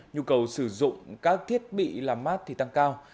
nhu cầu sử dụng các thiết bị làm mát thì tăng cao